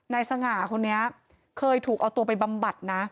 สง่าคนนี้เคยถูกเอาตัวไปบำบัดนะ